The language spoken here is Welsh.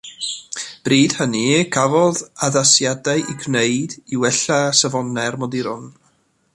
Bryd hynny cafodd addasiadau eu gwneud i wella safonau'r moduron.